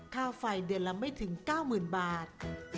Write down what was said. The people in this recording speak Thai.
ค่าไฟเดือนละไม่ถึง๙๐๐๐บาท